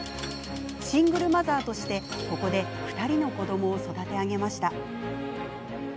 シングルマザーとして、ここで２人の子どもを育て上げました。